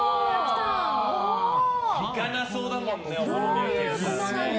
行かなそうだもんね